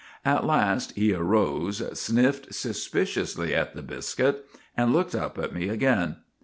At last he arose, sniffed suspiciously at the biscuit, and looked up at me again.